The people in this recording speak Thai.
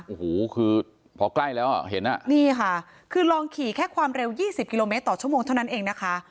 โอ้โหคือพอใกล้แล้วอ่ะเห็นอ่ะนี่ค่ะคือลองขี่แค่ความเร็ว๒๐กิโลเมตรต่อชั่วโมงเท่านั้นเองนะคะ